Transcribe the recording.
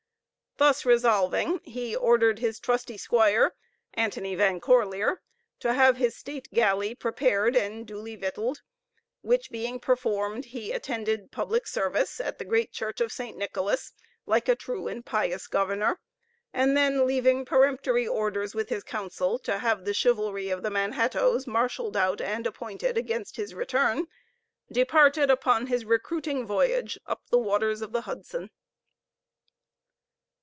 Thus resolving, he ordered his trusty squire, Antony Van Corlear, to have his state galley prepared and duly victualed; which being performed, he attended public service at the great church of St. Nicholas, like a true and pious governor; and then leaving peremptory orders with his council to have the chivalry of the Manhattoes marshaled out and appointed against his return, departed upon his recruiting voyage up the waters of the Hudson.